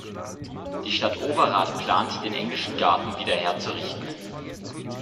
Die Stadt Overath plant, den englischen Garten wieder herzurichten.